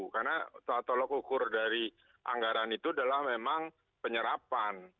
karena tolak tolok ukur dari anggaran itu adalah memang penyerapan